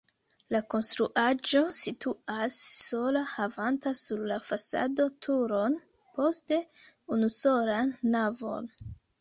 La konstruaĵo situas sola havanta sur la fasado turon, poste unusolan navon.